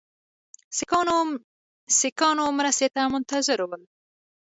سیکهانو مرستې ته منتظر ول.